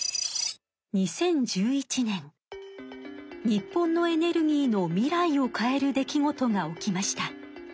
日本のエネルギーの未来を変える出来事が起きました。